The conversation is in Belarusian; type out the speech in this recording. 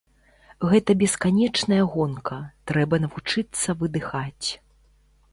Гэта бесканечная гонка, трэба навучыцца выдыхаць.